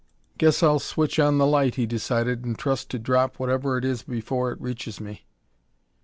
"Guess I'll switch on the light," he decided, "and trust to drop whatever it is before it reaches me."